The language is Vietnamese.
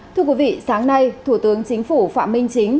thưa quý vị sáng nay thủ tướng chính phủ phạm minh chính